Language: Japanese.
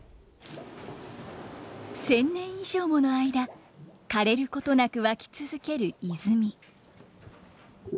１，０００年以上もの間かれることなく湧き続ける泉。